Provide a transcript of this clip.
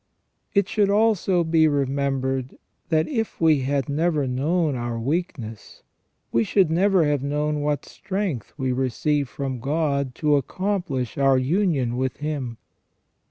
It should also be remembered that, if we had never known our weakness, we should never have known what strength we receive from God to accomplish our union with Him.